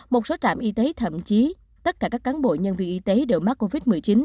một số trạm y tế thậm chí tất cả các cán bộ nhân viên y tế đều mắc covid một mươi chín